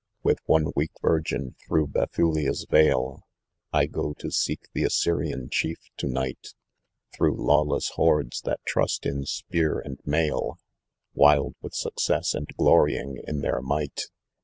"With one weak virgin through Betlialia's rale I go to seek the Assyrian chief to night ; Through lawless hoards that trust in spear and mail, Wild with Kteees* and gtorring i» their might.